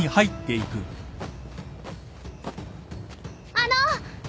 あの！